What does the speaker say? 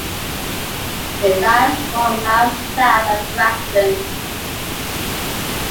It lies four miles south of Grafton.